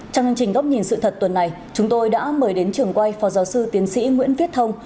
trong chương trình góc nhìn sự thật tuần này chúng tôi đã mời đến trường quay phó giáo sư tiến sĩ nguyễn viết thông